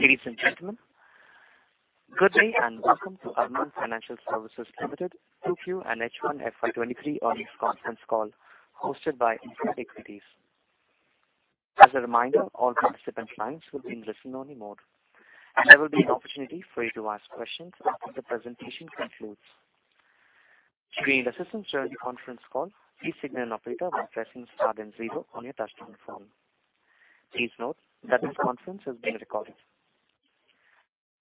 Ladies and gentlemen, good day and welcome to Arman Financial Services Limited Q2 and H1 FY 2023 earnings conference call hosted by InCred Equities. As a reminder, all participant lines will be in listen-only mode, and there will be an opportunity for you to ask questions after the presentation concludes. During the conference call, please signal an operator by pressing star then zero on your touch-tone phone. Please note that this conference is being recorded.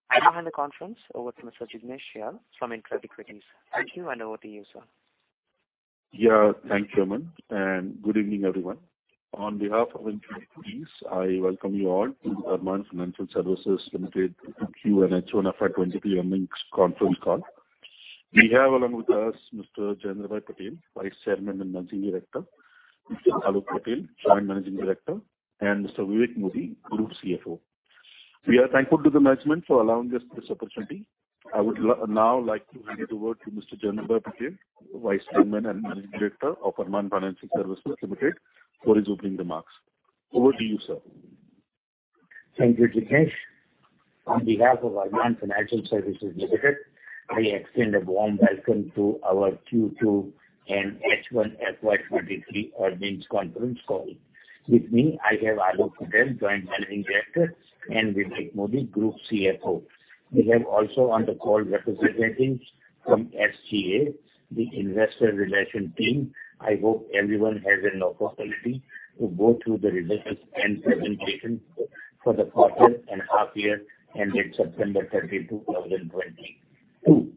I hand the conference over to Mr. Jignesh Shial from InCred Equities. Thank you, and over to you, sir. Yeah, thank you, Aman, and good evening, everyone. On behalf of InCred Equities, I welcome you all to Arman Financial Services Limited Q2 and H1 FY 2023 earnings conference call. We have along with us Mr. Jayendra Patel, Vice Chairman and Managing Director, Mr. Aalok Patel, Joint Managing Director, and Mr. Vivek Modi, Group CFO. We are thankful to the management for allowing us this opportunity. I would now like to hand it over to Mr. Jayendra Patel, Vice Chairman and Managing Director of Arman Financial Services Limited, for his opening remarks. Over to you, sir. Thank you, Jignesh. On behalf of Arman Financial Services Limited, I extend a warm welcome to our Q2 and H1 FY 2023 earnings conference call. With me, I have Aalok Patel, Joint Managing Director, and Vivek Modi, Group CFO. We have also on the call representatives from FCA, the investor relations team. I hope everyone has an opportunity to go through the results and presentation for the quarter and half year ended September 30, 2022,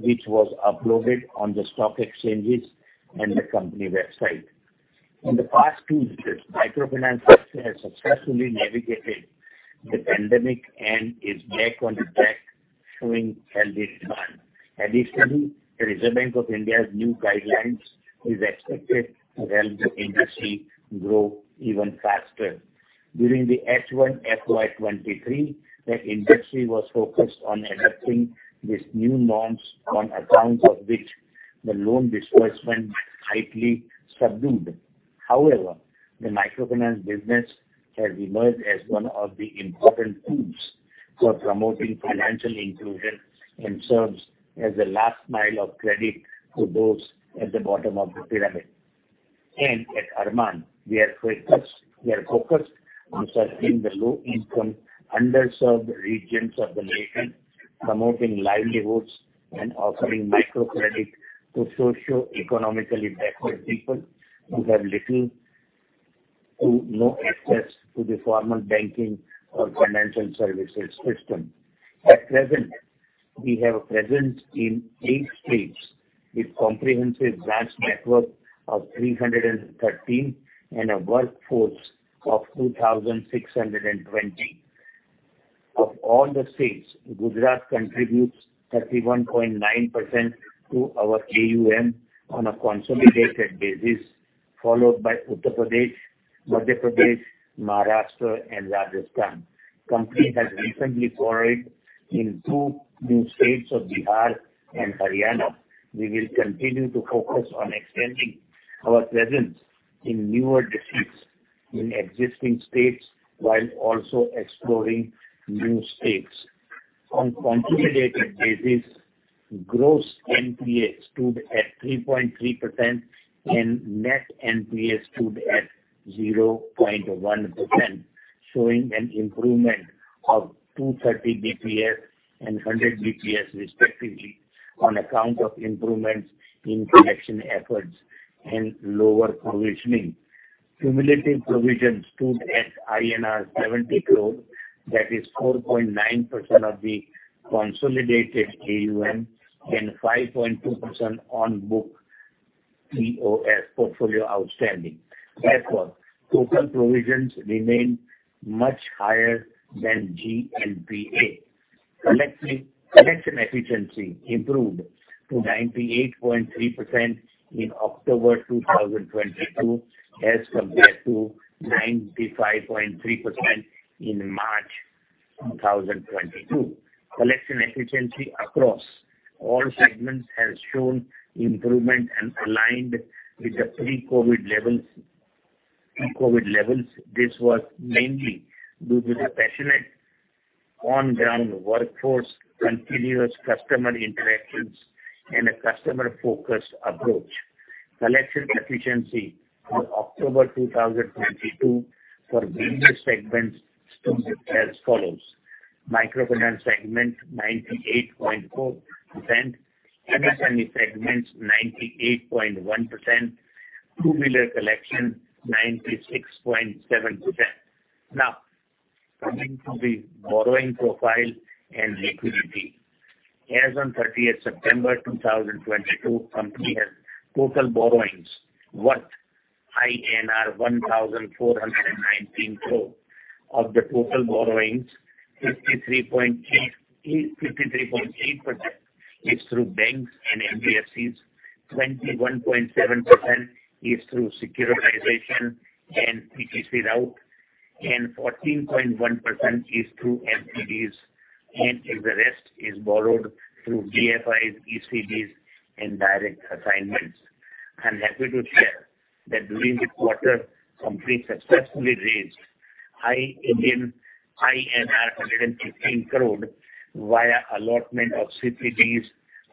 which was uploaded on the stock exchanges and the company website. In the past two years, microfinance sector has successfully navigated the pandemic and is back on track showing healthy return. Additionally, Reserve Bank of India's new guidelines is expected to help the industry grow even faster. During the H1 FY 2023, the industry was focused on adapting these new norms, on account of which the loan disbursement slightly subdued. However, the microfinance business has emerged as one of the important tools for promoting financial inclusion and serves as a last mile of credit to those at the bottom of the pyramid. At Arman, we are focused on serving the low-income, underserved regions of the nation, promoting livelihoods and offering microcredit to socioeconomically backward people who have little to no access to the formal banking or financial services system. At present, we have a presence in eight states with comprehensive branch network of 313 and a workforce of 2,620. Of all the states, Gujarat contributes 31.9% to our AUM on a consolidated basis, followed by Uttar Pradesh, Madhya Pradesh, Maharashtra and Rajasthan. Company has recently forayed in two new states of Bihar and Haryana. We will continue to focus on extending our presence in newer districts in existing states while also exploring new states. On consolidated basis, gross NPA stood at 3.3% and net NPA stood at 0.1%, showing an improvement of 230 basis points and 100 basis points respectively on account of improvements in collection efforts and lower provisioning. Cumulative provisions stood at INR 70 crore, that is 4.9% of the consolidated AUM and 5.2% on book POS, portfolio outstanding. Therefore, total provisions remain much higher than GNPA. Collection efficiency improved to 98.3% in October 2022 as compared to 95.3% in March 2022. Collection efficiency across all segments has shown improvement and aligned with the pre-COVID levels. This was mainly due to the passionate on-ground workforce, continuous customer interactions and a customer-focused approach. Collection efficiency for October 2022 for various segments stood as follows, microfinance segment, 98.4%, MSME segment, 98.1%, two-wheeler collection, 96.7%. Now, coming to the borrowing profile and liquidity. As on September 30th, 2022, company has total borrowings worth INR 1,419 crore. Of the total borrowings, 53.8% is through banks and NBFCs, 21.7% is through securitization, and 14.1% is through NCDs and the rest is borrowed through DFIs, ECBs and direct assignments. I'm happy to share that during the quarter, company successfully raised 115 crore via allotment of CCDs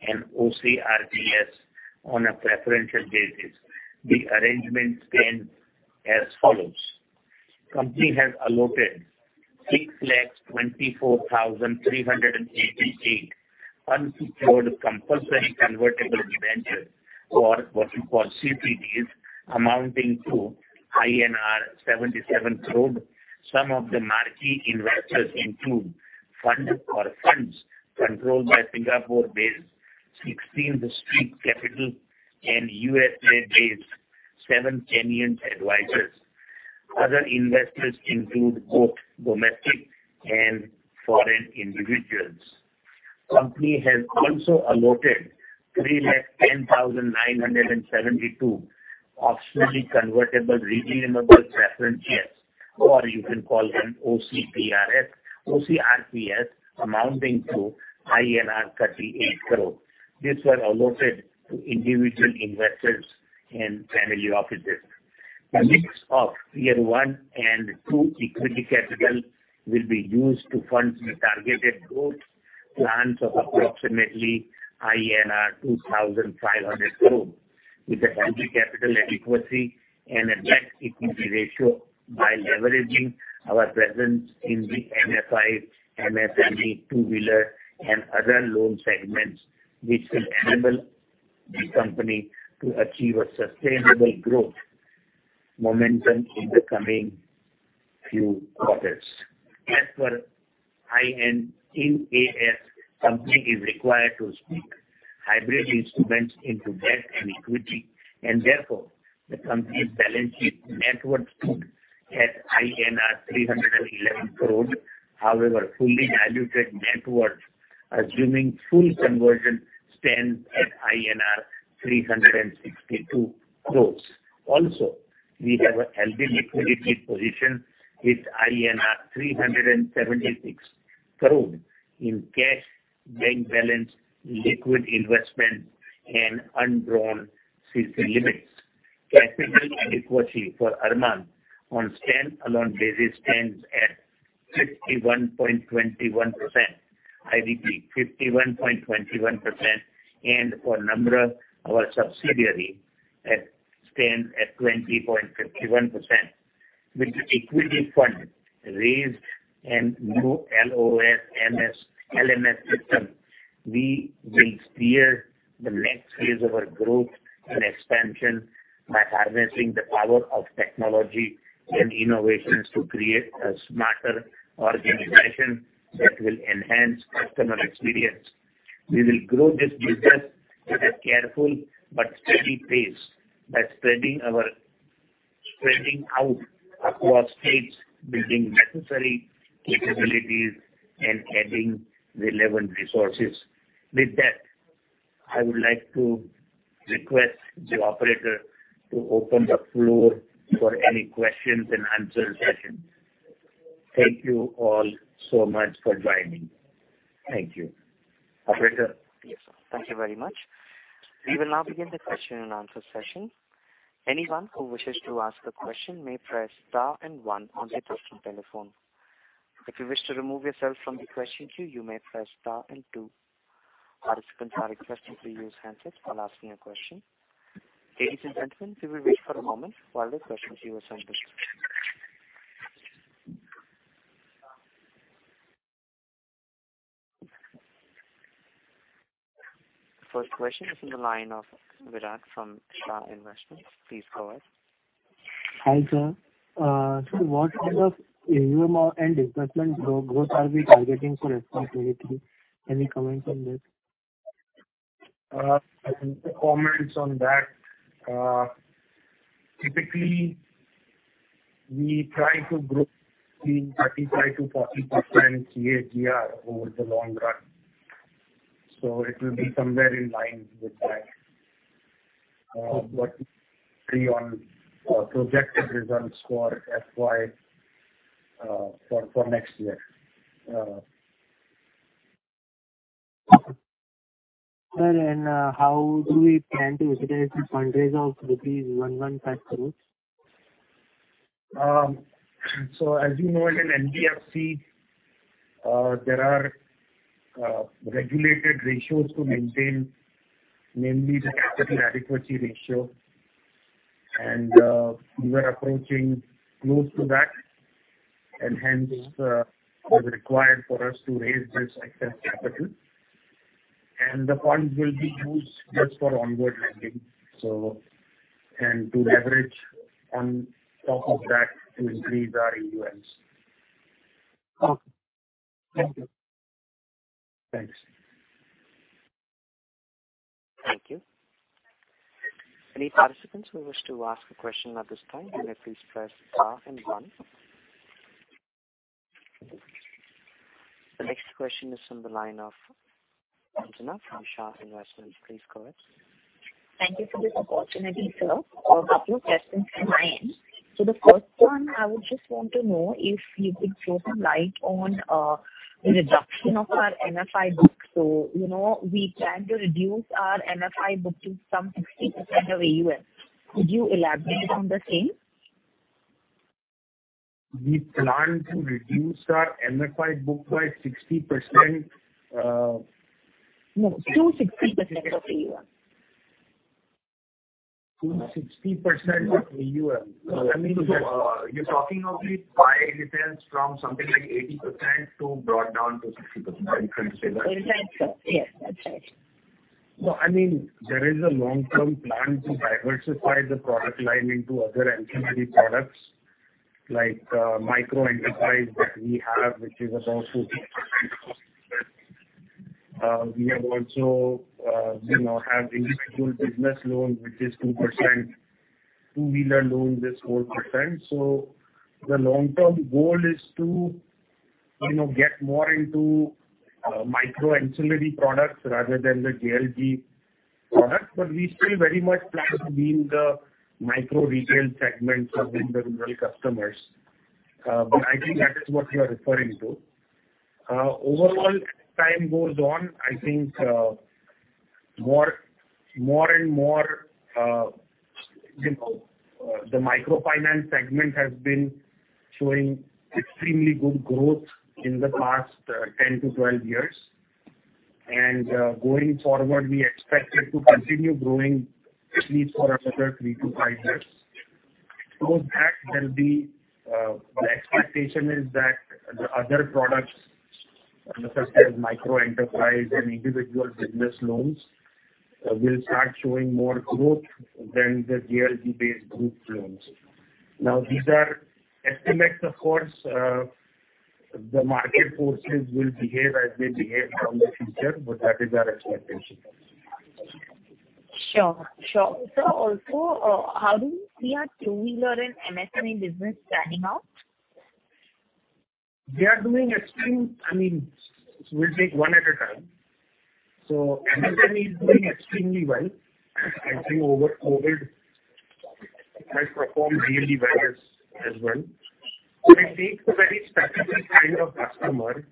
and OCRPS on a preferential basis. The arrangement stands as follows. Company has allotted 6,24,388 unsecured compulsorily convertible debentures or what you call CCDs amounting to INR 77 crore. Some of the marquee investors include fund or funds controlled by Singapore-based Sixteenth Street Capital and USA-based Seven Canyon Advisors. Other investors include both domestic and foreign individuals. Company has also allotted 3,10,972 optionally convertible redeemable preference shares, or you can call them OCRPS, amounting to INR 38 crore. These were allotted to individual investors and family offices. A mix of year one and two equity capital will be used to fund the targeted growth plans of approximately INR 2,500 crore with a healthy capital adequacy and a debt-equity ratio while leveraging our presence in the MFI, MSME, two-wheeler and other loan segments which will enable the company to achieve a sustainable growth momentum in the coming few quarters. As for Ind AS, company is required to split hybrid instruments into debt and equity, and therefore the company's balance sheet net worth stood at INR 311 crore. However, fully diluted net worth, assuming full conversion, stands at INR 362 crores. Also, we have a healthy liquidity position with INR 376 crore in cash, bank balance, liquid investment, and undrawn CC limits. Capital adequacy for Arman on standalone basis stands at 51.21%. I repeat, 51.21% and for Namra, our subsidiary, it stands at 20.51%. With the equity fund raised and new LOS and LMS system, we will steer the next phase of our growth and expansion by harnessing the power of technology and innovations to create a smarter organization that will enhance customer experience. We will grow this business at a careful but steady pace by spreading out across states, building necessary capabilities, and adding relevant resources. With that, I would like to request the operator to open the floor for any questions and answer session. Thank you all so much for joining. Thank you. Operator? Thank you very much. We will now begin the question and answer session. Anyone who wishes to ask a question may press star and one on their touch-tone telephone. If you wish to remove yourself from the question queue, you may press star and two. Participants are requested to use handsets while asking a question. Ladies and gentlemen, we will wait for a moment while the questions queue is unplugged. First question is in the line of Virat from Shah Investments. Please go ahead. Hi, sir. What kind of AUM and disbursement growth are we targeting for F.Y. 2023? Any comments on this? Comments on that, typically we try to grow between 35%-40% CAGR over the long run. It will be somewhere in line with that, what we see on projected results for F.Y. for next year. Sir, how do we plan to utilize the fundraiser of INR 115 crores? As you know, as an NBFC, there are regulated ratios to maintain, mainly the Capital Adequacy Ratio. We were approaching close to that and hence, it was required for us to raise this excess capital. The funds will be used just for onward lending to leverage on top of that to increase our AUMs. Okay. Thank you. Thanks. Thank you. Any participants who wish to ask a question at this time, you may please press star and one. The next question is from the line of Anjana from Shah Investments. Please go ahead. Thank you for this opportunity, sir. A couple of questions from my end. The first one, I would just want to know if you could throw some light on the reduction of our MFI book. You know, we plan to reduce our MFI book to some 60% of AUM. Could you elaborate on the same? We plan to reduce our MFI book by 60%. No, to 60% of AUM. To 60% of AUM. I mean, you're talking of it by returns from something like 80% to brought down to 60%. Exactly. Yes, that's right. No, I mean, there is a long-term plan to diversify the product line into other ancillary products like micro enterprise that we have, which is about 2%. We have also, you know, have individual business loans, which is 2%. Two-wheeler loan is 4%. The long-term goal is to, you know, get more into micro ancillary products rather than the JLG products. We still very much plan to be in the micro retail segment serving the rural customers. I think that is what you are referring to. Overall, as time goes on, I think more and more, you know, the microfinance segment has been showing extremely good growth in the past 10-12 years. Going forward, we expect it to continue growing at least for another three-five years. With that, the expectation is that the other products, such as micro-enterprise and individual business loans, will start showing more growth than the JLG-based group loans. Now, these are estimates, of course. Market forces will behave as they behave from the future, but that is our expectation. Sure, sure. Sir, also, how do you see our two-wheeler and MSME business panning out? They are doing extreme, I mean, we'll take one at a time. MSME is doing extremely well. I think over COVID, it has performed really well as well. It takes a very specific kind of customer.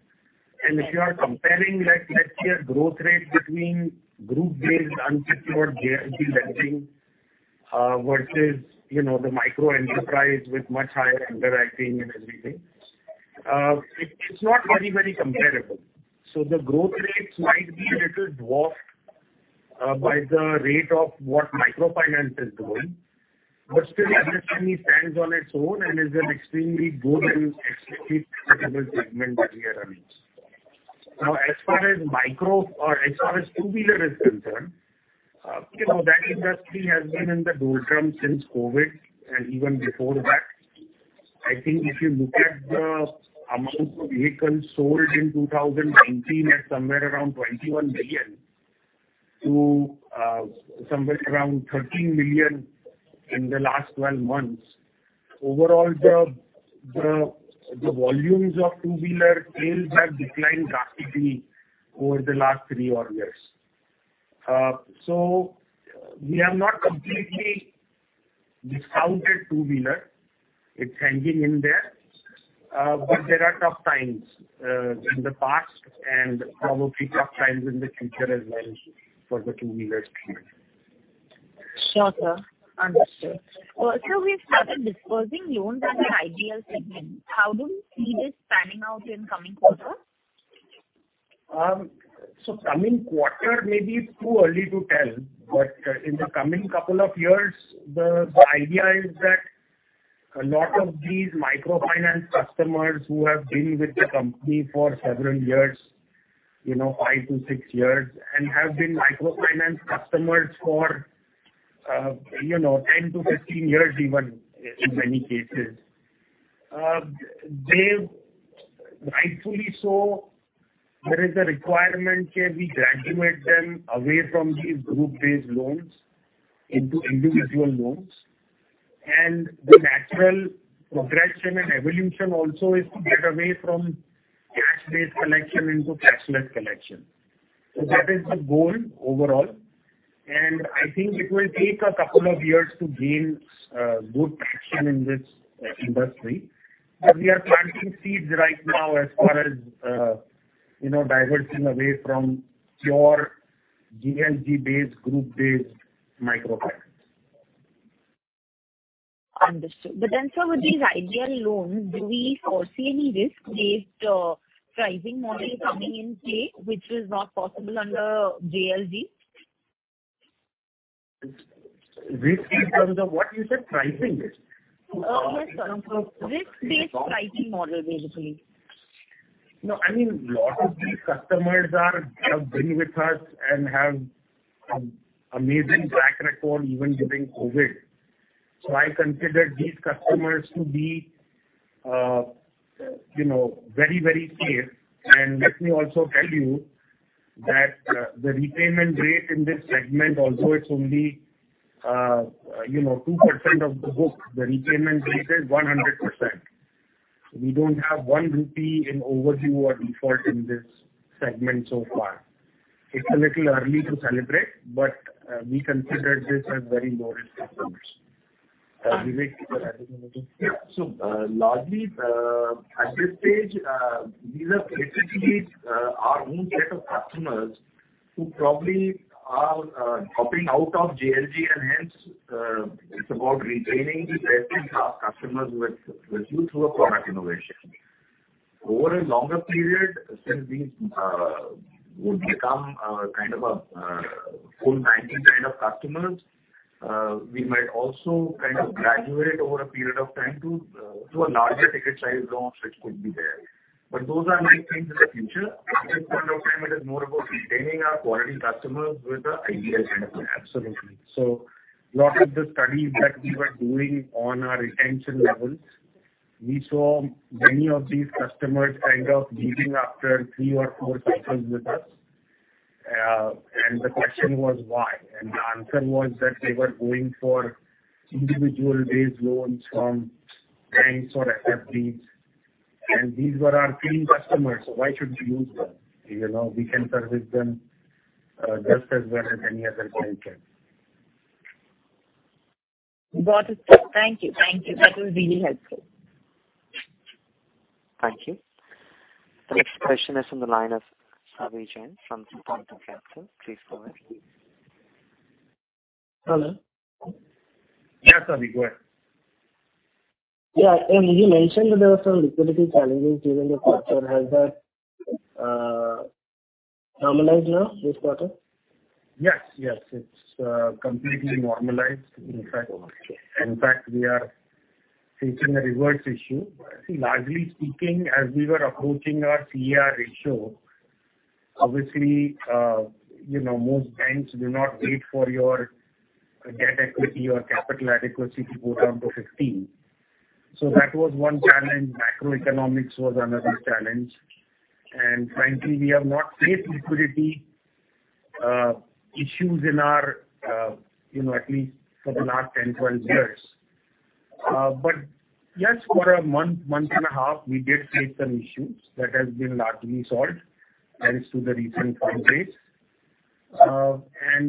If you are comparing, like, let's say a growth rate between group-based unsecured JLG lending versus, you know, the micro-enterprise with much higher underwriting and everything, it's not very comparable. The growth rates might be a little dwarfed by the rate of what microfinance is doing. MSME stands on its own and is an extremely good and attractive customer segment that we are in. Now, as far as micro or as far as two-wheeler is concerned, you know, that industry has been in the doldrums since COVID and even before that. I think if you look at the amount of vehicles sold in 2019 at somewhere around 21 million to somewhere around 13 million in the last 12 months. Overall, the volumes of two-wheeler sales have declined drastically over the last three odd years. We have not completely discounted two-wheeler. It's hanging in there. There are tough times in the past and probably tough times in the future as well for the two-wheeler space. Sure, sir. Understood. Well, sir, we've started disbursing loans under MSME segments. How do we see this panning out in coming quarter? Coming quarter may be too early to tell, but in the coming couple of years, the idea is that a lot of these microfinance customers who have been with the company for several years, you know, five-six years, and have been microfinance customers for, you know, 10-15 years even in many cases. Rightfully so, there is a requirement. Can we graduate them away from these group-based loans into individual loans? The natural progression and evolution also is to get away from cash-based collection into cashless collection. That is the goal overall, and I think it will take a couple of years to gain good traction in this industry. We are planting seeds right now as far as, you know, diverting away from your JLG-based, group-based microfinance. Understood. Sir, with these individual loans, do we foresee any risk-based pricing model coming in play, which is not possible under JLG? Risk-based under what? You said pricing risk? Yes, sir. Risk-based pricing model, basically. No, I mean, lot of these customers are, have been with us and have amazing track record even during COVID. I consider these customers to be, you know, very, very safe. Let me also tell you that the repayment rate in this segment, although it's only, you know, 2% of the book, the repayment rate is 100%. We don't have INR one in overdue or default in this segment so far. It's a little early to celebrate, but we consider this as very low risk approach. Vivek, you want to add anything? Yeah. Largely at this stage, these are basically our own set of customers who probably are dropping out of JLG, and hence it's about retaining the best-in-class customers with you through a product innovation. Over a longer period, since these would become kind of a full banking kind of customers, we might also kind of graduate over a period of time to a larger ticket size loans which could be there. Those are nice things in the future. At this point of time, it is more about retaining our quality customers with the ideal tenure. Absolutely. Lot of the studies that we were doing on our retention levels, we saw many of these customers kind of leaving after three or four cycles with us. The question was why? The answer was that they were going for individual-based loans from banks or SFBs. These were our clean customers, so why should we lose them? You know, we can service them just as well as any other bank can. Got it. Thank you. That was really helpful. Thank you. The next question is from the line of Savi Jain from 2Point2 Capital. Please go ahead. Hello. Yes, Savi Jain. Go ahead. Yeah. You mentioned that there were some liquidity challenges during the quarter. Has that normalized now this quarter? Yes, yes. It's completely normalized. Okay. In fact, we are facing a reverse issue. See, largely speaking, as we were approaching our CAR ratio, obviously, you know, most banks do not wait for your debt equity or capital adequacy to go down to 15%. That was one challenge. Macroeconomics was another challenge. Frankly, we have not faced liquidity issues in our, you know, at least for the last 10-12 years. Yes, for a month and a half, we did face some issues that has been largely solved, hence to the recent fundraise.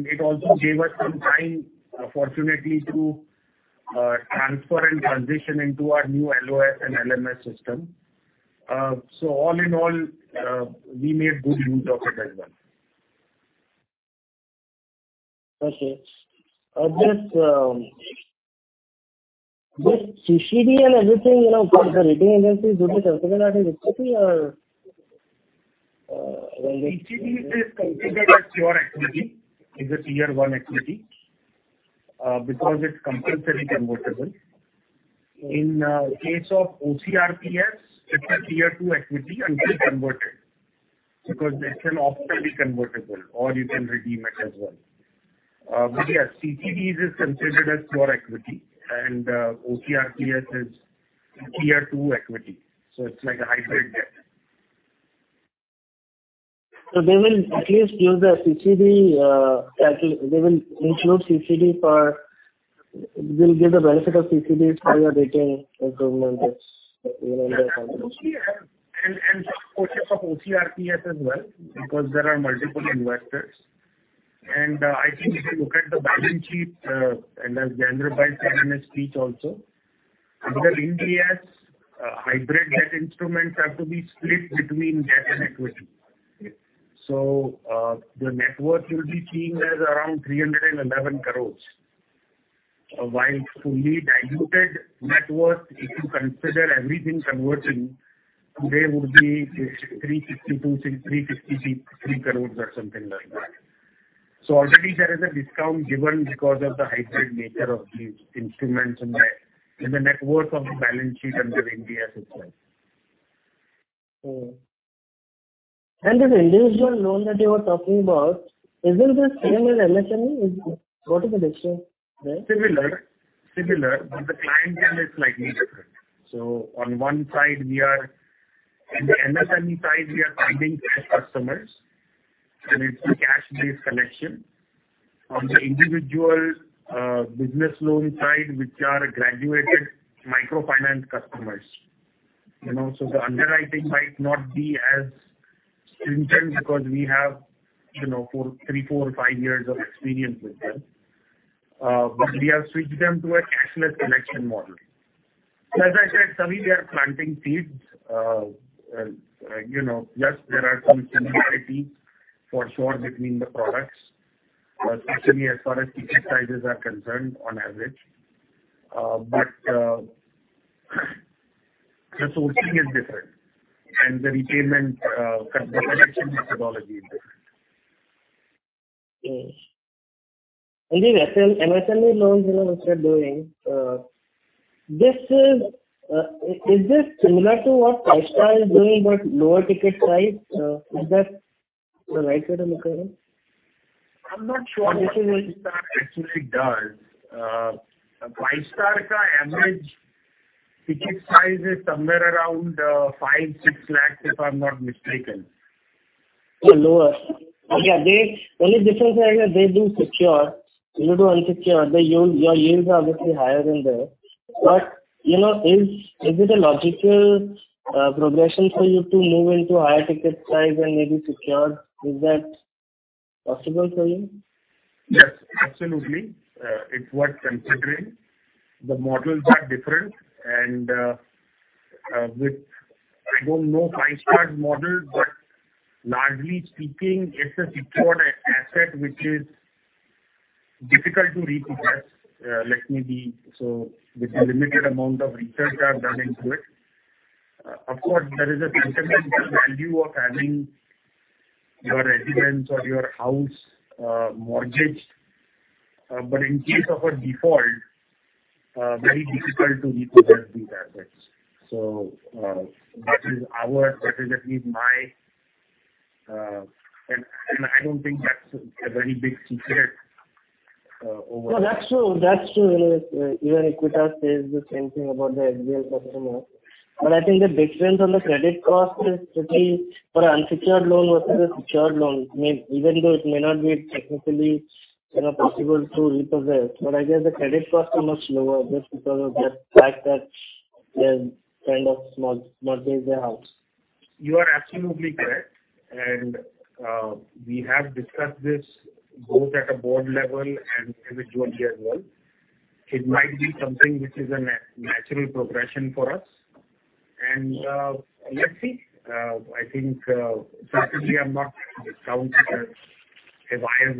It also gave us some time, fortunately to transfer and transition into our new LOS and LMS system. All in all, we made good use of it as well. Okay. This CCD and everything, you know, for the rating agencies, would it have been added liquidity? CCD is considered as pure equity. It is Tier one equity because it's compulsorily convertible. In case of OCRPS, it's a Tier two equity until converted because it can optionally convertible or you can redeem it as well. Yes, CCD is considered as core equity and OCRPS is Tier two equity, so it's like a hybrid debt. They will at least use the CCD. They'll give the benefit of CCD for your rating improvement, yes. Yeah. For purpose of OCRPS as well, because there are multiple investors. I think if you look at the balance sheet, and as Jayendra said in his speech also, under Ind AS, hybrid debt instruments have to be split between debt and equity. Okay. The net worth you'll be seeing as around 311 crores. While fully diluted net worth, if you consider everything converting, today would be 362 crores-353 crores or something like that. Already there is a discount given because of the hybrid nature of these instruments in the net worth of the balance sheet under Ind AS itself. This individual loan that you were talking about, is it the same as MSME? What is the distinction there? Similar. Similar, but the client segment is slightly different. In the MSME side we are finding cash customers, and it's a cash-based collection. On the individual business loan side, which are graduated microfinance customers. You know, the underwriting might not be as stringent because we have, you know, three, four, five years of experience with them. We have switched them to a cashless collection model. As I said, Savi, we are planting seeds. You know, yes, there are some similarities for sure between the products, but especially as far as ticket sizes are concerned on average. The sourcing is different and the collection methodology is different. Yes. In the MSME loans, you know, which you are doing, is this similar to what Five Star is doing but lower ticket size? Is that the right way to look at it? I'm not sure what Five Star actually does. Five Star ka average ticket size is somewhere around 5 lakhs-6 lakhs, if I'm not mistaken. Lower. Okay. Only difference is that they do secured, you do unsecured. Your yields are obviously higher in there. You know, is it a logical progression for you to move into higher ticket size and maybe secured? Is that possible for you? Yes, absolutely. It's worth considering. The models are different and I don't know Five Star model, but largely speaking, it's a secured asset which is difficult to repossess. With the limited amount of research I've done into it. Of course, there is a sentimental value of having your residence or your house mortgaged, but in case of a default, very difficult to repossess these assets. I don't think that's a very big secret. No, that's true. You know, even Equitas says the same thing about their HBL customers. I think the big difference on the credit cost is pretty for unsecured loan versus a secured loan. Even though it may not be technically, you know, possible to repossess, but I guess the credit cost is much lower just because of the fact that they've kind of mortgaged their house. You are absolutely correct. We have discussed this both at a board level and individually as well. It might be something which is a natural progression for us. Let's see. I think certainly I'm not discounting it as a viable division in the future. I think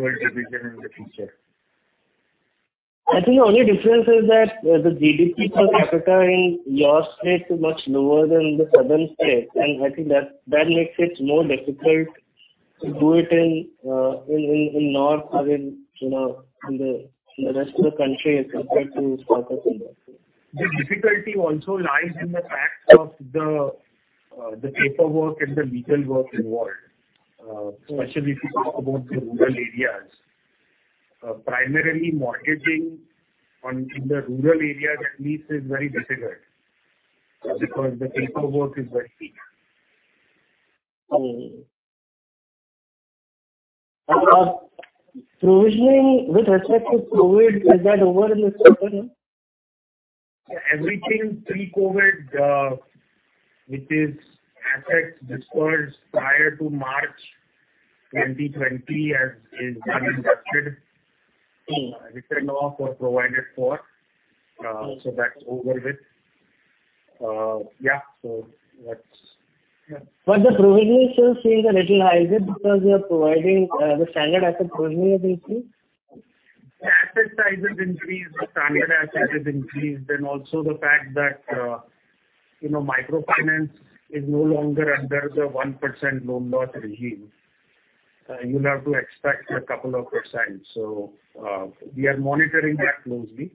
the only difference is that the GDP per capita in your state is much lower than the southern states, and I think that makes it more difficult to do it in north or in, you know, in the rest of the country as compared to southwest India. The difficulty also lies in the fact of the paperwork and the legal work involved, especially if you talk about the rural areas. Primarily mortgaging in the rural areas at least is very difficult because the paperwork is very thick. Provisioning with respect to COVID, is that over in the system? Everything pre-COVID, which is assets disbursed prior to March 2020, is extinguished. Mm. Written off or provided for. That's over with. Yeah. The provisioning still seems a little high. Is it because the standard asset provisioning has increased? The asset size has increased, the standard asset has increased, and also the fact that, you know, microfinance is no longer under the 1% loan loss regime. You'll have to expect a couple of percent. We are monitoring that closely.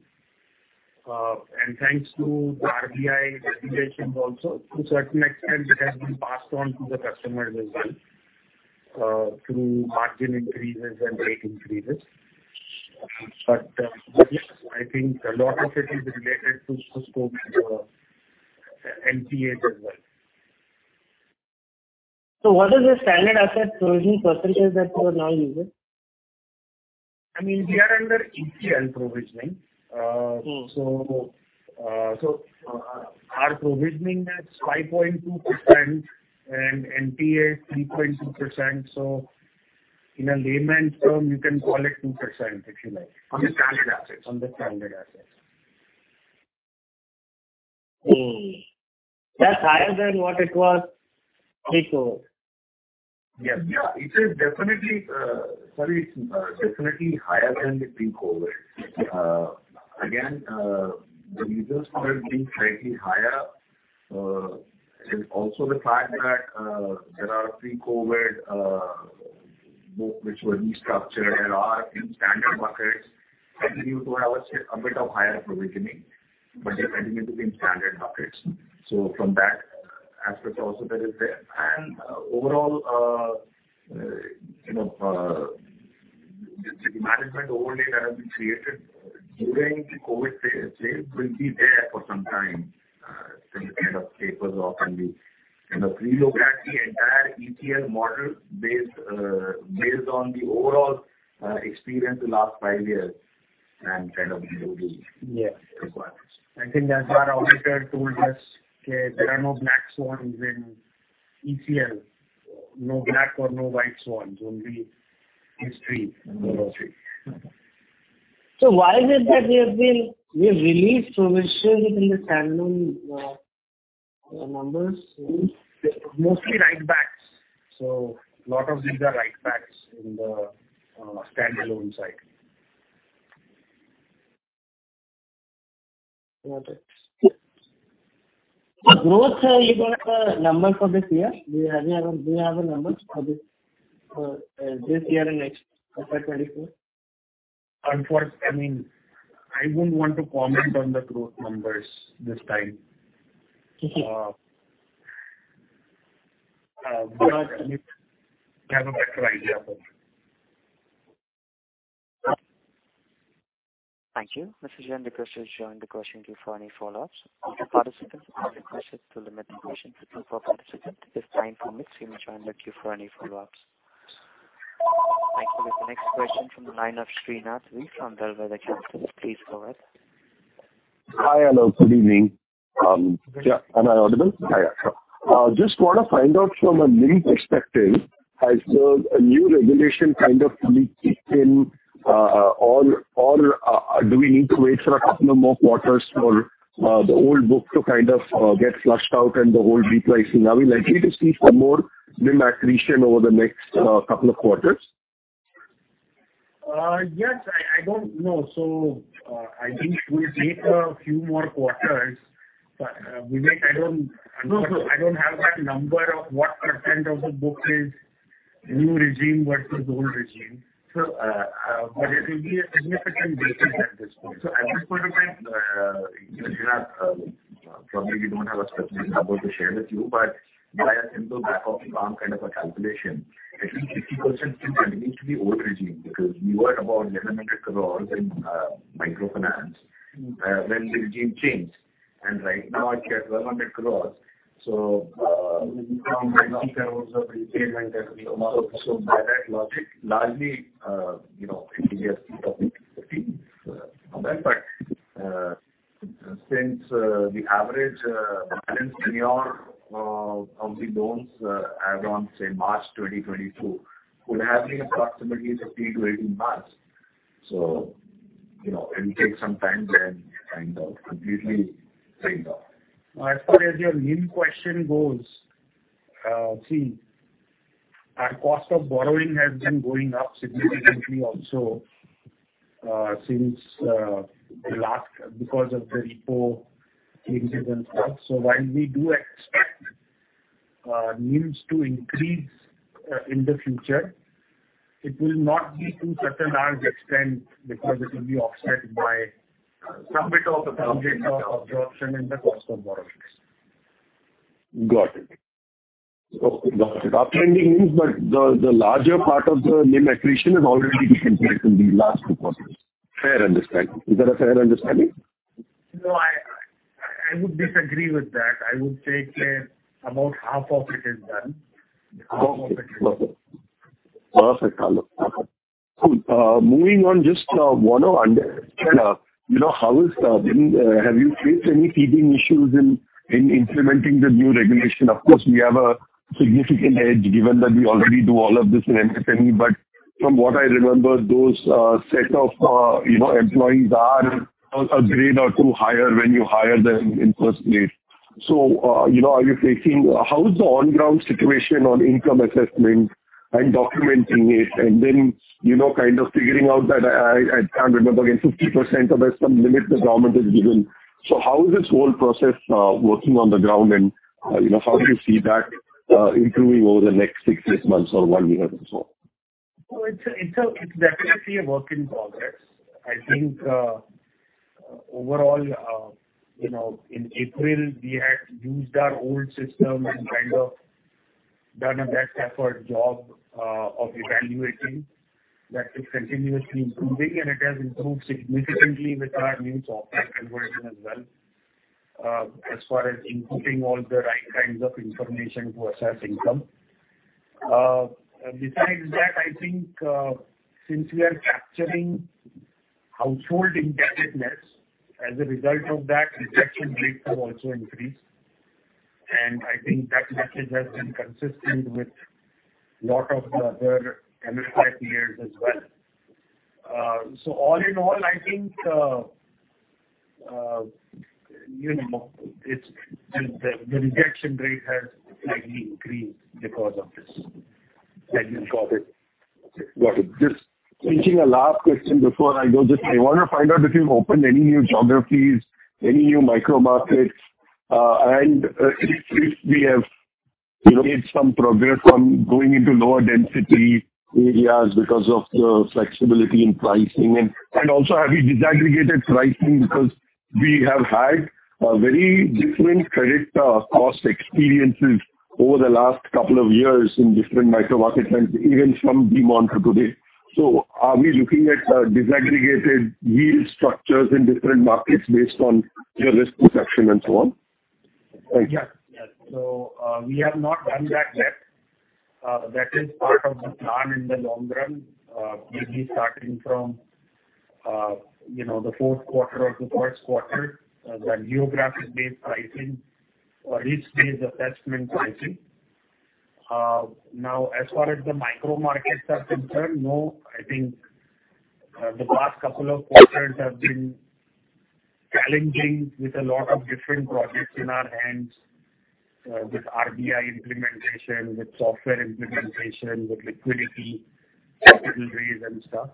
Thanks to the RBI regulations also, to a certain extent it has been passed on to the customers as well through margin increases and rate increases. Yes, I think a lot of it is related to scope and NPAs as well. What is the standard asset provisioning percentage that you are now using? I mean, we are under ECL provisioning. Mm. Our provisioning is 5.2% and NPA is 3.2%. In a layman term, you can call it 2%, if you like, on the standard assets. On the standard assets. That's higher than what it was pre-COVID. Yes. Yeah. It's definitely higher than the pre-COVID. Again, the reasons for it being slightly higher is also the fact that there are pre-COVID, both which were restructured and are in standard buckets, continue to have a bit of higher provisioning, but they continue to be in standard buckets. From that aspect also that is there. Overall, you know, this management overlay that has been created during the COVID phase will be there for some time till we kind of taper it off and we kind of relook at the entire ECL model based on the overall experience the last five years. Yes. Requirements. I think that's why our auditor told us, okay, there are no black swans in ECL. No black or no white swans, only history. Why is it that we have released provisions in the standalone numbers? Mostly write-backs. Lot of these are write-backs in the standalone side. Got it. For growth, you don't have a number for this year? Do you have a number for this year and next, for 2024? Unfortunately, I mean, I wouldn't want to comment on the growth numbers this time. Okay. You have a better idea about it. Thank you. This is your request to join the question queue for any follow-ups. All participants are requested to limit the questions to two per participant. If time permits, you may join the queue for any follow-ups. Thank you. The next question from the line of Srinath V. from Bellwether Capital. Please go ahead. Hi. Hello. Good evening. Yeah. Am I audible? Hi. Yeah, sure. Just want to find out from a NIM perspective, has the new regulation kind of fully kicked in? Do we need to wait for a couple of more quarters for the old book to kind of get flushed out and the whole repricing? Are we likely to see some more NIM accretion over the next couple of quarters? Yes. I don't know. I think we'll need a few more quarters. No, sir. I don't have that number of what percent of the book is new regime, what is old regime. It will be a significant basis at this point. At this point of time, Srinath, probably we don't have a specific number to share with you, but via a simple back-of-the-palm kind of a calculation, at least 50% still continues to be old regime because we were at about 1,100 crores in microfinance when the regime changed. Right now it's at 1,200 crores. By that logic, largely, you know, it is 50/50. Since the average balance tenure of the loans as on, say March 2022 would have been approximately 15-18 months, you know, it will take some time to find out, completely find out. As far as your NIM question goes, see, our cost of borrowing has been going up significantly also because of the repo increases and stuff. While we do expect NIMs to increase in the future, it will not be to such a large extent because it will be offset by some bit of absorption in the cost of borrowings. Got it. Okay. Got it. Up trending NIMs, but the larger part of the NIM accretion has already been completed in the last two quarters. Fair understanding. Is that a fair understanding? No, I would disagree with that. I would say about half of it is done. Okay. Got it. Perfect. Hello. Cool. Moving on, just want to understand, you know, have you faced any teething issues in implementing the new regulation? Of course, we have a significant edge given that we already do all of this in MSME, but from what I remember, those set of, you know, employees are a grade or two higher when you hire them in first place. You know, how is the on-ground situation on income assessment and documenting it and then, you know, kind of figuring out that, I can't remember again, 50% or there's some limit the government has given. How is this whole process working on the ground and, you know, how do you see that improving over the next six-eight months or one year or so? Oh, it's definitely a work in progress. I think overall, you know, in April we had used our old system and kind of done a best effort job of evaluating. That is continuously improving, and it has improved significantly with our new software conversion as well, as far as inputting all the right kinds of information to assess income. Besides that, I think since we are capturing household indebtedness, as a result of that, rejection rates have also increased. I think that package has been consistent with lot of the other MFI peers as well. All in all, I think, you know, the rejection rate has slightly increased because of this. Got it. Got it. Just switching to a last question before I go. Just I want to find out if you've opened any new geographies, any new micro markets, and if we have, you know, made some progress on going into lower density areas because of the flexibility in pricing. Also, have you disaggregated pricing because we have had very different credit cost experiences over the last couple of years in different micro markets and even from demonetization today. Are we looking at disaggregated yield structures in different markets based on your risk perception and so on? Thank you. Yes. Yes. We have not done that yet. That is part of the plan in the long run. Maybe starting from, you know, the Q4 or the Q1, the geographic-based pricing or risk-based assessment pricing. Now as far as the micro markets are concerned, no. I think the past couple of quarters have been challenging with a lot of different projects in our hands, with RBI implementation, with software implementation, with liquidity, capital raise and stuff.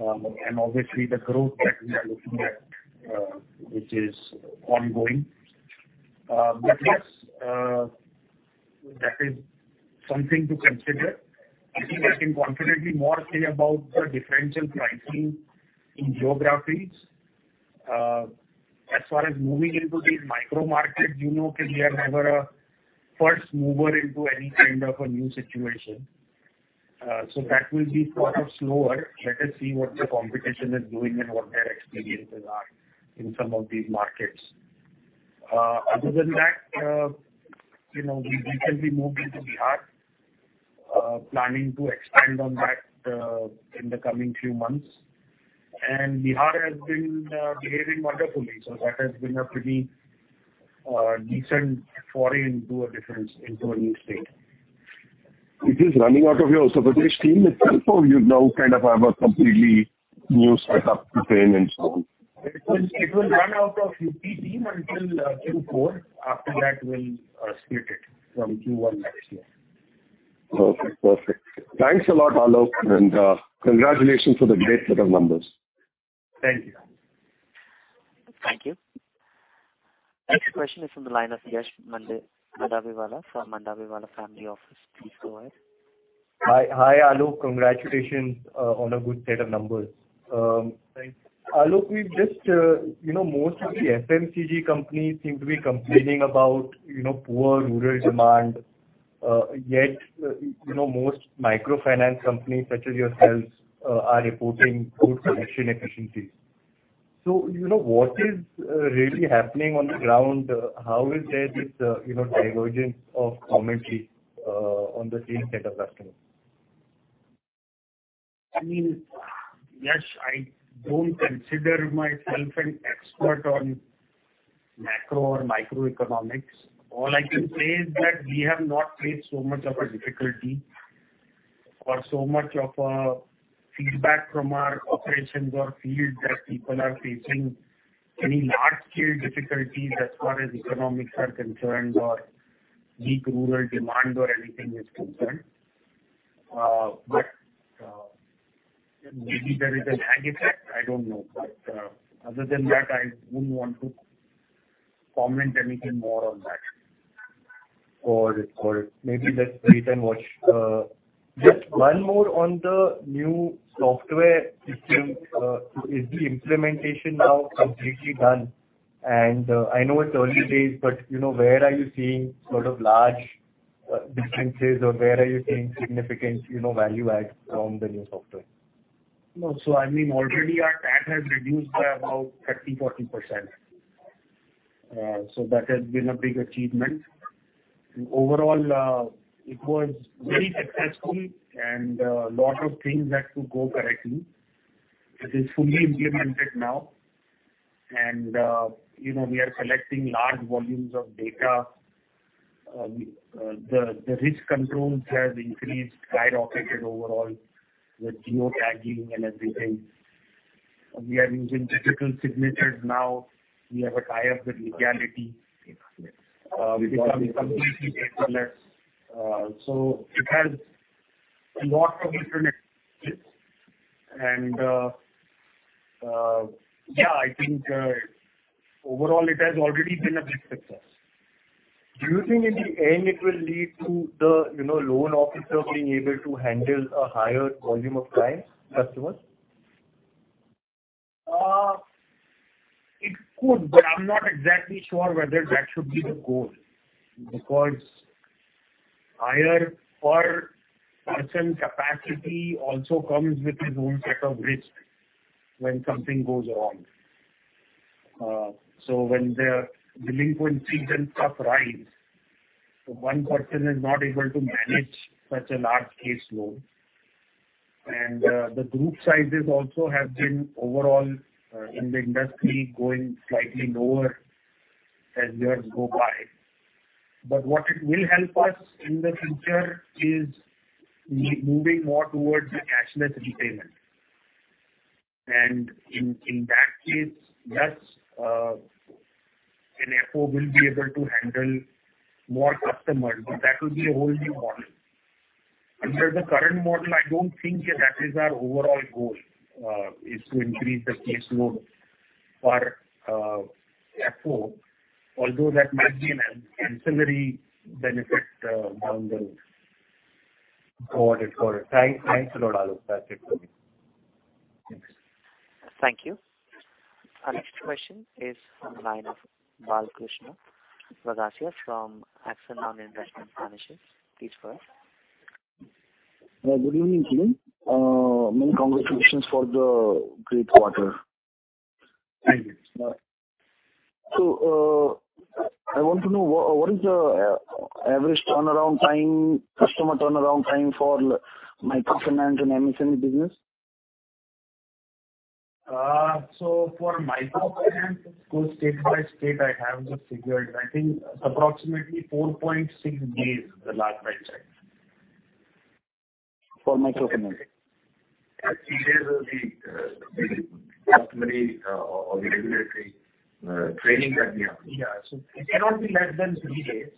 Obviously the growth that we are looking at, which is ongoing. Yes, that is something to consider. I think I can confidently more say about the differential pricing in geographies. As far as moving into these micro markets, you know that we are never a first mover into any kind of a new situation. That will be sort of slower. Let us see what the competition is doing and what their experiences are in some of these markets. Other than that, you know, we recently moved into Bihar, planning to expand on that in the coming few months. Bihar has been behaving wonderfully. That has been a pretty decent foray into a new state. It is running out of your Uttar Pradesh team itself, or you now kind of have a completely new setup to train and so on? It will run out of U.P. team until Q4. After that we'll split it from Q1 next year. Okay. Perfect. Thanks a lot, Aalok, and congratulations for the great set of numbers. Thank you. Thank you. Next question is from the line of Yash Mandawewala from Mandawewala Family Office. Please go ahead. Hi, Aalok. Congratulations on a good set of numbers. Thank you. Aalok, you know, most of the FMCG companies seem to be complaining about, you know, poor rural demand. Yet, you know, most microfinance companies such as yourselves are reporting good collection efficiencies. You know, what is really happening on the ground? How is there this, you know, divergence of commentary on the same set of customers? I mean, Yash, I don't consider myself an expert on macro or microeconomics. All I can say is that we have not faced so much of a difficulty or so much of a feedback from our operations or field that people are facing any large-scale difficulties as far as economics are concerned or weak rural demand or anything is concerned. Maybe there is a lag effect, I don't know. Other than that, I wouldn't want to comment anything more on that. Got it. Maybe let's wait and watch. Just one more on the new software system. Is the implementation now completely done? I know it's early days, but, you know, where are you seeing sort of large differences or where are you seeing significant, you know, value adds from the new software? No. I mean, already our TAT has reduced by about 30%-40%. That has been a big achievement. Overall, it was very successful and lot of things had to go correctly. It is fully implemented now and, you know, we are collecting large volumes of data. The risk controls skyrocketed overall with geotagging and everything. We are using digital signatures now. We have a tie-up with legality. We've become completely paperless. It has a lot of different advantages. Yeah, I think overall it has already been a big success. Do you think in the end it will lead to the, you know, loan officer being able to handle a higher volume of clients, customers? It could, but I'm not exactly sure whether that should be the goal, because higher per person capacity also comes with its own set of risks when something goes wrong. When the delinquencies and stuff rise, one person is not able to manage such a large caseload. The group sizes also have been overall, in the industry, going slightly lower as years go by. What it will help us in the future is moving more towards the cashless repayment. In that case, yes, an FO will be able to handle more customers, but that will be a whole new model. Under the current model, I don't think that is our overall goal, is to increase the caseload per FO. Although that might be an ancillary benefit down the road. Got it. Thanks a lot, Aalok. That's it from me. Thanks. Thank you. Our next question is from the line of Balkrushna Vaghasia from Axanoun Investment Management. Please go ahead. Good evening to you. Many congratulations for the great quarter. Thank you. I want to know what is the average turnaround time, customer turnaround time for microfinance and MSME business? For microfinance, state by state I have the figures. I think approximately 4.6 days is the last I checked. For microfinance. Three days will be the customary or the regulatory training that we have. Yeah. It cannot be less than three days.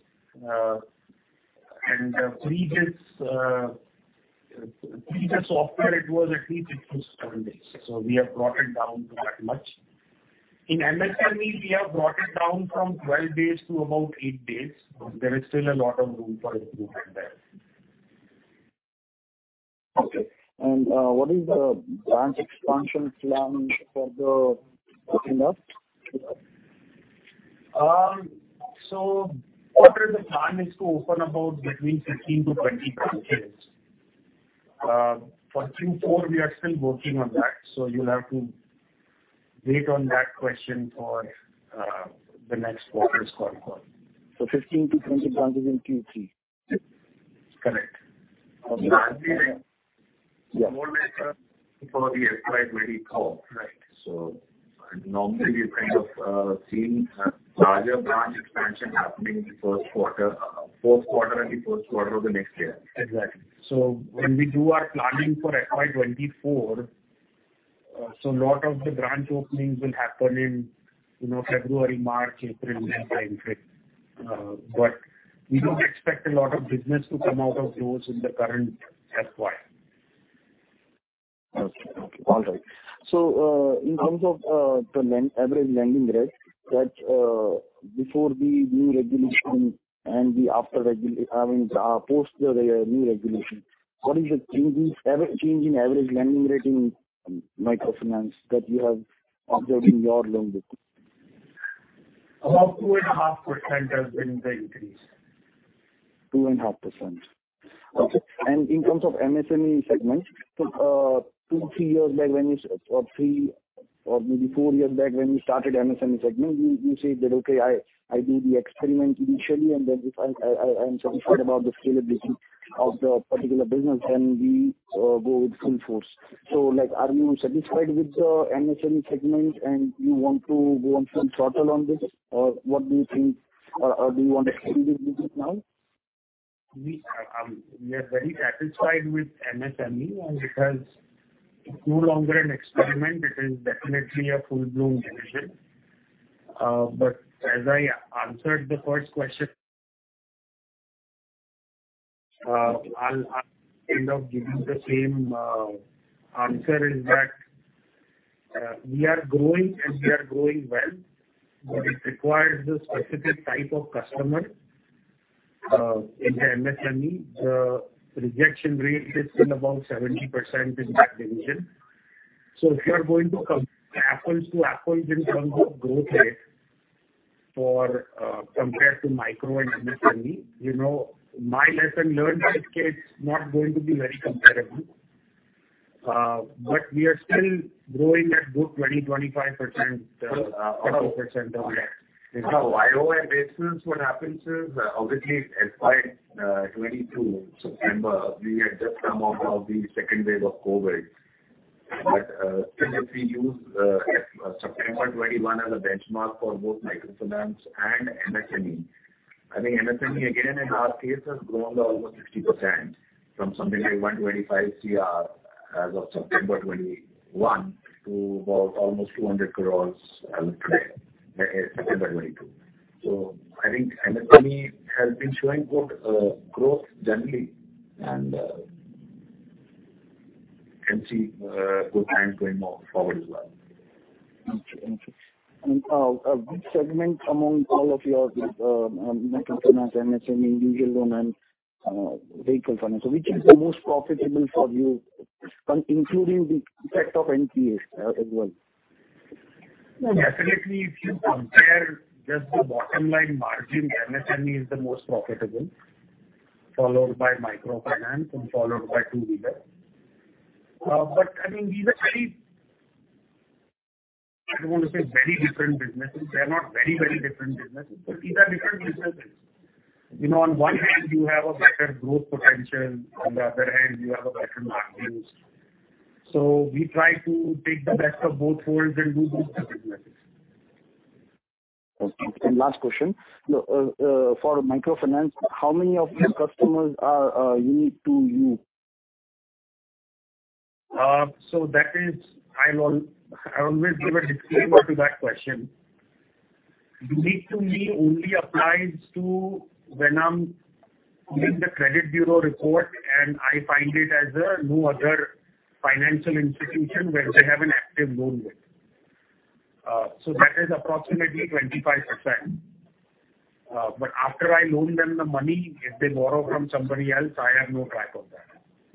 Three days off where it was at least seven days, we have brought it down quite much. In MSMEs, we have brought it down from 12 days to about eight days. There is still a lot of room for improvement there. Okay. What is the branch expansion plan for the coming up year? Quarter, the plan is to open about between 15-20 branches. For Q4, we are still working on that, so you'll have to wait on that question for the next quarter's call. 15-20 branches in Q3? Correct. Okay. More or less for the F.Y. 2024. Right. Normally you kind of see a larger branch expansion happening in the Q4 and the Q1 of the next year. Exactly. When we do our planning for F.Y. 2024, a lot of the branch openings will happen in, you know, February, March, April, that time frame. We don't expect a lot of business to come out of those in the current F.Y. Okay. All right. In terms of the average lending rates before the new regulation and, I mean, post the new regulation, what is the average change in average lending rate in microfinance that you have observed in your loan book? About 2.5% has been the increase. 2.5%. Yes. Okay. In terms of MSME segment, two-three years back or three or maybe four years back when you started MSME segment, you said that, "Okay, I do the experiment initially and then if I am satisfied about the scalability of the particular business, then we go with full force." Like, are you satisfied with the MSME segment and you want to go on full throttle on this? What do you think? Do you want to exit this business now? We are very satisfied with MSME, and it is no longer an experiment. It is definitely a full-blown division. As I answered the first question, I'll kind of give you the same answer, in that we are growing and we are growing well. Got it. It requires a specific type of customer in the MSME. The rejection rate is still about 70% in that division. If you are going to compare apples to apples in terms of growth rate for compared to micro and MSME, you know, my lesson learned is, okay, it's not going to be very comparable. We are still growing at good 20%-25%. Got it. Percent over the year. No. Year-over-year basis, what happens is obviously F.Y. 2022 September. We had just come out of the second wave of COVID. Still if we use September 2021 as a benchmark for both microfinance and MSME, I think MSME again in our case has grown to over 60% from something like 125 cr as of September 2021 to about almost 200 crores as of September 2022. I think MSME has been showing good growth generally and can see good times going forward as well. Okay. Okay. Which segment among all of your microfinance, MSME, individual loan and vehicle finance, which is the most profitable for you including the effect of NPAs as well? No, definitely if you compare just the bottom line margin, MSME is the most profitable, followed by microfinance and followed by two-wheeler. Uh, but I mean, these are very... I don't want to say very different businesses. They are not very, very different businesses, but these are different businesses. You know, on one hand you have a better growth potential, on the other hand, you have a better margins. So we try to take the best of both worlds and do both the businesses. Okay. Last question. For microfinance, how many of your customers are unique to you? I always give a disclaimer to that question. Unique to me only applies to when I'm doing the credit bureau report and I find it as a no other financial institution where they have an active loan with. That is approximately 25%. After I loan them the money, if they borrow from somebody else, I have no track of that.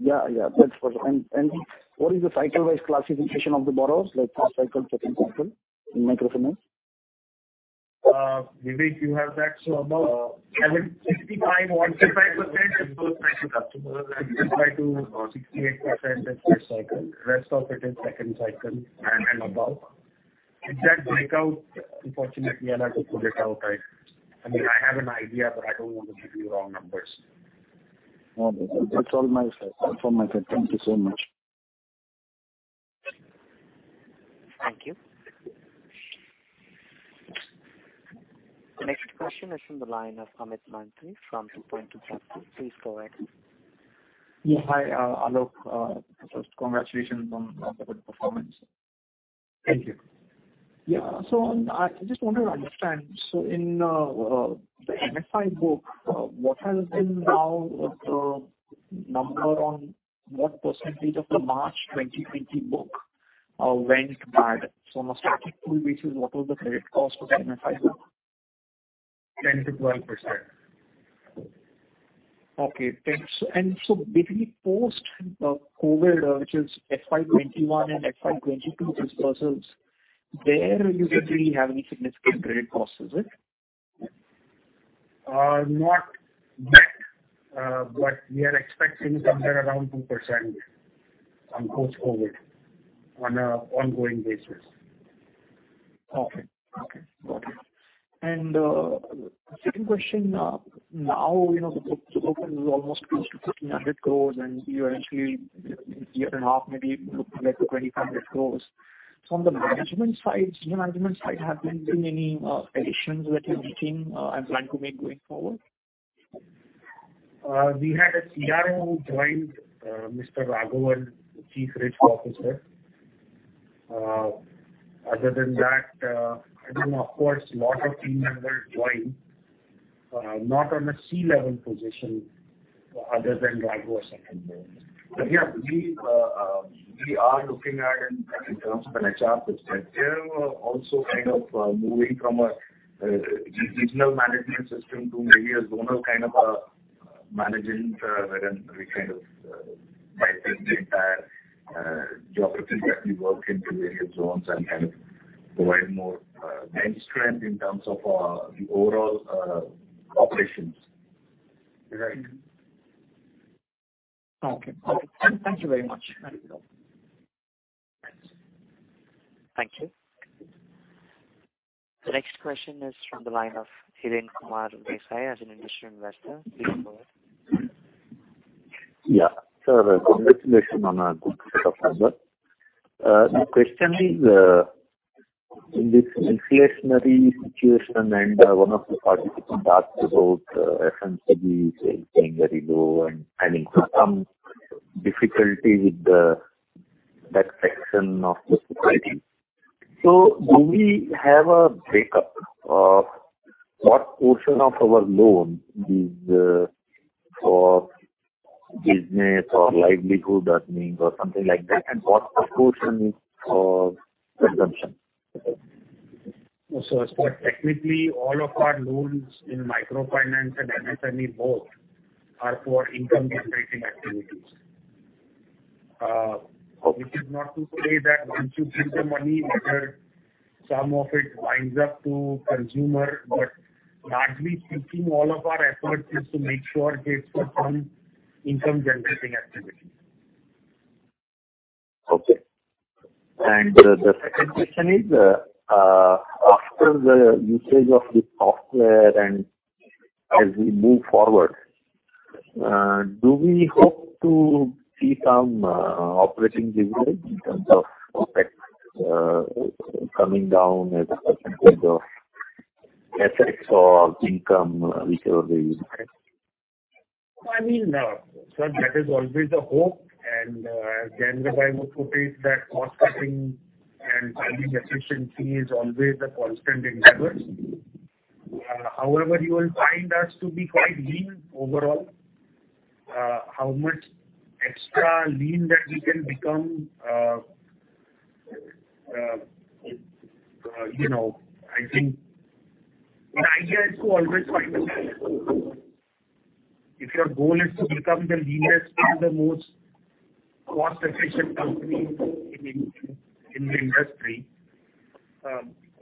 Yeah, yeah. That's what. What is the cycle-wise classification of the borrowers, like first cycle, second cycle in microfinance? Vivek, you have that. About, I think 65. 68% is first cycle. Rest of it is second cycle and above. Exact breakout, unfortunately I'll have to pull it out. I mean, I have an idea, but I don't want to give you wrong numbers. Okay. That's all my side. Thank you so much. Thank you. Next question is from the line of Amit Mantri from 2Point2 Capital. Please go ahead. Yeah. Hi, Aalok. First congratulations on the good performance. Thank you. Yeah. I just wanted to understand, so in the MFI book, what has been now the number on what percent of the March 2020 book went bad? On a static pool basis, what was the credit cost of the MFI book? 10%-12%. Okay, thanks. Basically post COVID, which is F.Y. 2021 and F.Y. 2022 disbursements, there you didn't really have any significant credit costs, is it? Not yet, but we are expecting somewhere around 2% on post-COVID on a ongoing basis. Okay. Okay. Got it. Second question, now, you know, the book today is almost close to 1,500 crores and you're actually in a year and a half, maybe looking at 2,500 crores. From the management side, senior management side, have been too many additions that you're making and plan to make going forward? We had a CRO joined, Mr. Srinivasaraghavan, the Chief Risk Officer. Other than that, I mean, of course, lot of team members joined, not on a C-level position other than Raghavan or second line. We are looking at in terms of an HR perspective. We are also kind of moving from a regional management system to maybe a zonal kind of a management where we kind of might split the entire geography that we work into various zones and kind of provide more man strength in terms of the overall operations. Right. Okay. Thank you very much. Thank you. Thank you. The next question is from the line of Hirenkumar Desai as an Individual Investor. Please go ahead. Yeah. Sir, congratulations on a good set of numbers. The question is, in this inflationary situation and one of the participants asked about MSMEs is staying very low and having some difficulty with that section of the society. Do we have a breakup of what portion of our loan is for business or livelihood earnings or something like that? What portion is for consumption? As per technically, all of our loans in microfinance and MSME both are for income-generating activities, which is not to say that once you give the money whether some of it winds up to consumer, but largely speaking, all of our efforts is to make sure it's for some income-generating activity. Okay. The second question is, after the usage of the software and as we move forward, do we hope to see some operating leverage in terms of OpEx coming down as a percentage of AUM or income, whichever they use, right? I mean, that is always the hope and, as Jayendra Patel would put it, that cost-cutting and finding efficiency is always a constant endeavor. However, you will find us to be quite lean overall. How much extra lean that we can become, you know, I think the idea is to always find a balance. If your goal is to become the leanest or the most cost-efficient company in the industry,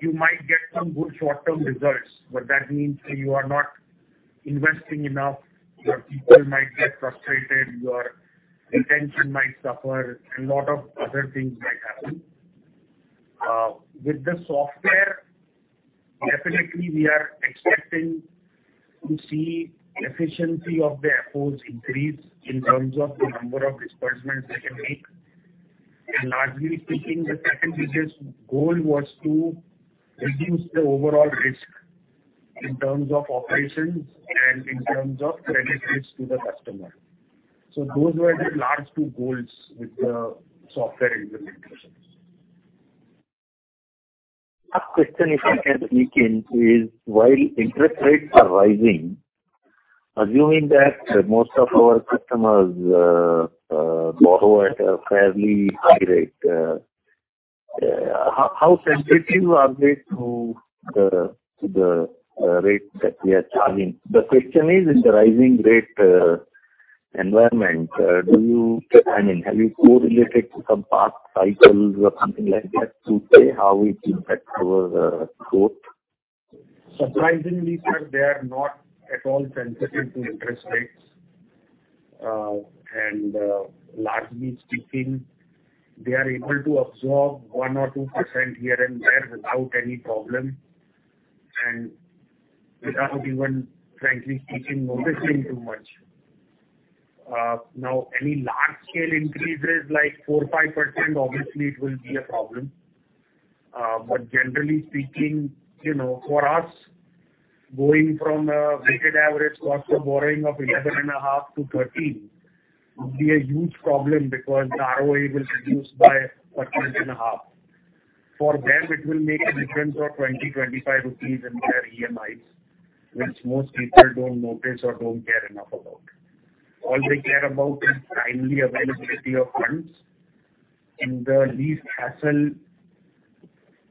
you might get some good short-term results, but that means you are not investing enough. Your people might get frustrated, your retention might suffer, a lot of other things might happen. With the software, definitely we are expecting to see efficiency of the efforts increase in terms of the number of disbursements they can make. Largely speaking, the second biggest goal was to reduce the overall risk in terms of operations and in terms of credit risk to the customer. Those were the large two goals with the software implementation. A question if I can peek in is, while interest rates are rising, assuming that most of our customers borrow at a fairly high rate, how sensitive are they to the rate that we are charging? The question is, in the rising rate environment, I mean, have you correlated to some past cycles or something like that to say how it impacts our growth? Surprisingly, sir, they are not at all sensitive to interest rates. Largely speaking, they are able to absorb 1%-2% here and there without any problem, and without even, frankly speaking, noticing too much. Now any large scale increases like 4%-5%, obviously it will be a problem. Generally speaking, you know, for us, going from a weighted average cost of borrowing of 11.5%-13% would be a huge problem because the ROE will reduce by 1.5%. For them it will make a difference of 20-25 rupees in their EMIs, which most people don't notice or don't care enough about. All they care about is timely availability of funds and the least hassle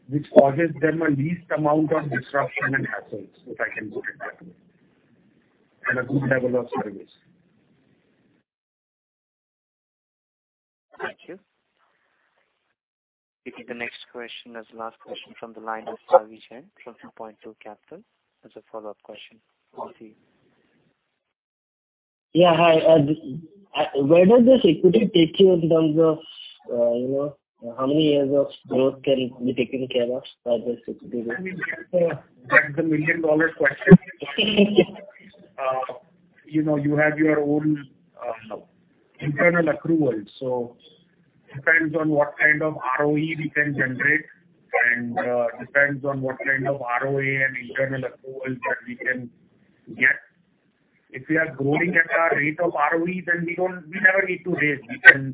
which causes them a least amount of disruption and hassles, if I can put it that way. A good level of service. Thank you. We take the next question as the last question from the line of Savi Jain from 2Point2 Capital. That's a follow-up question. Over to you. Yeah. Hi. Where does this equity take you in terms of, you know, how many years of growth can be taken care of by this equity raise? I mean, that's the million-dollar question. You know, you have your own internal accruals. Depends on what kind of ROE we can generate and depends on what kind of ROA and internal accruals that we can get. If we are growing at our rate of ROE, then we never need to raise.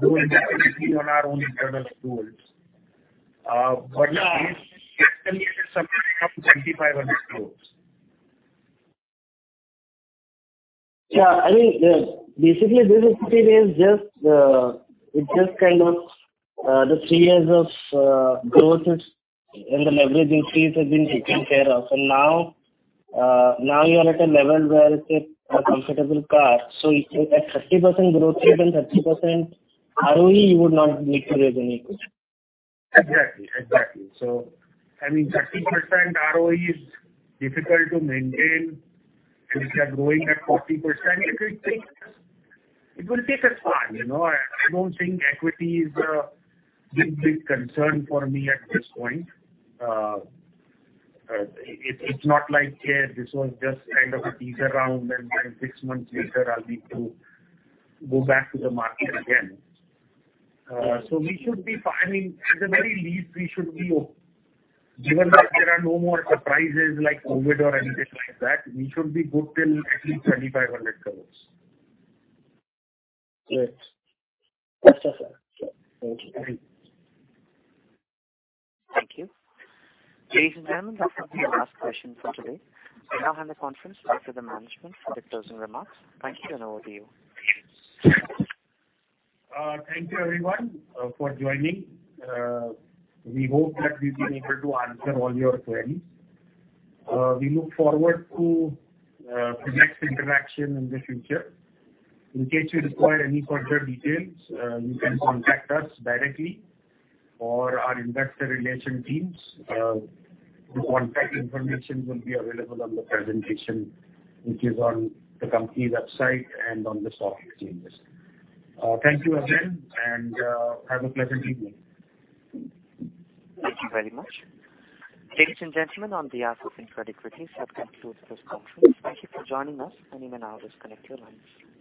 We can grow indefinitely on our own internal accruals. Yeah, it's actually at some INR 2,500 crores. Yeah. I mean, basically this equity raise just kind of the three years of growth is and the leveraging fees have been taken care of. Now you are at a level where it's a comfortable CAR. At 30% growth rate and 30% ROE, you would not need to raise any equity. Exactly. Exactly. I mean, 30% ROE is difficult to maintain if you are growing at 40%. It will take us time. You know, I don't think equity is a big concern for me at this point. It's not like, yeah, this was just kind of a teaser round and then six months later I'll need to go back to the market again. I mean, at the very least, given that there are no more surprises like COVID or anything like that, we should be good till at least 2,500 crores. Great. That's all, sir. Thank you. Thank you. Thank you. Ladies and gentlemen, that concludes the last question for today. We now hand the conference back to the management for the closing remarks. Thank you and over to you. Thank you everyone for joining. We hope that we've been able to answer all your queries. We look forward to the next interaction in the future. In case you require any further details, you can contact us directly or our investor relations teams. The contact information will be available on the presentation, which is on the company website and on the stock exchanges. Thank you again and have a pleasant evening. Thank you very much. Ladies and gentlemen, on behalf of InCred Equities, that concludes this conference. Thank you for joining us, and you may now disconnect your lines.